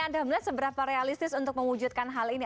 anda melihat seberapa realistis untuk mewujudkan hal ini